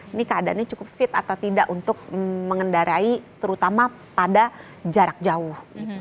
ini keadaannya cukup fit atau tidak untuk mengendarai terutama pada jarak jauh